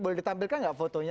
boleh ditampilkan nggak fotonya